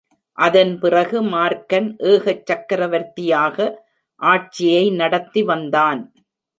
அதன் பிறகு மார்க்கன் ஏகச் சக்கரவர்த்தியாக ஆட்சியை நடத்திவந்தான்.